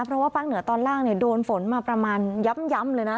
เพราะว่าภาคเหนือตอนล่างโดนฝนมาประมาณย้ำเลยนะ